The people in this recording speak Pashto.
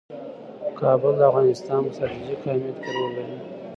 کابل د افغانستان په ستراتیژیک اهمیت کې رول لري.